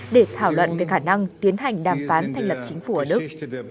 để thảo luận về khả năng tiến hành đàm phán thành lập chính phủ ở đức